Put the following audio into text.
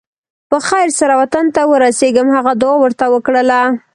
په خیر سره وطن ته ورسېږم هغه دعا ورته وکړله.